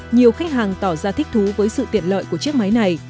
nhiều khách hàng tỏ ra thích thú với sự tiện lợi của chiếc máy này